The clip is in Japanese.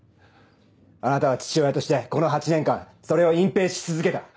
あなたは父親としてこの８年間それを隠蔽し続けた。